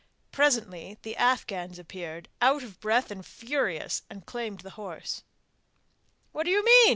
Presently the Afghans appeared, out of breath and furious, and claimed the horse. 'What do you mean?